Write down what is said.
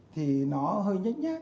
thì nó hơi nhách nhát